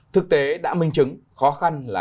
thực tế đã minh chứng khó khăn là